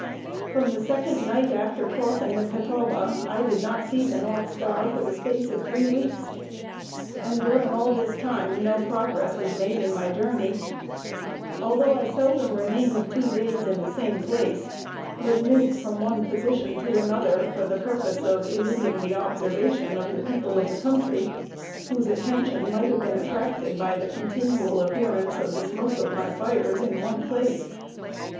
From the second night after crossing the Catawba, I did not see the north star for the space of three weeks; and during all this time, no progress was made in my journey; although I seldom remained two days in the same place, but moved from one position to another, for the purpose of eluding the observation of the people of the country, whose attention might have been attracted by the continual appearance of the smoke of my fires in one place.